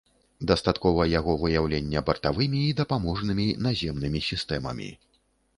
Дастаткова яго выяўлення бартавымі і дапаможнымі наземнымі сістэмамі.